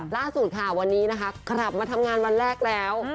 ล่าสูตรนะคะวันนี้กลับมาทำงานวันแรกแล้ว